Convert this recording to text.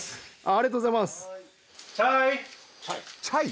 ありがとうございます！